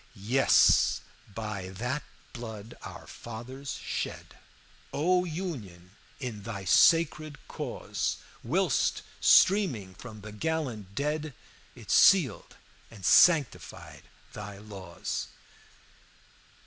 "'Yes, by that blood our fathers shed, O Union, in thy sacred cause, Whilst, streaming from the gallant dead, It sealed and sanctified thy laws.'